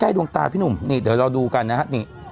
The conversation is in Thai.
ดวงตาพี่หนุ่มนี่เดี๋ยวเราดูกันนะฮะนี่